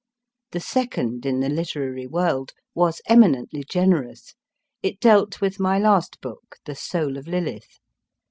The second in the Literary World was eminently generous ; it dealt with my last book, The Soul of Lilith.